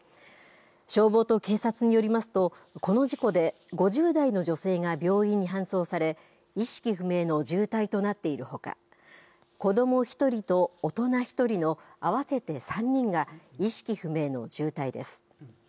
消防と警察によりますと、この事故で、５０代の女性が病院に搬送され、意識不明の重体となっているほか、子ども１人と大人１人の合わせて３人が意識不明の重体です。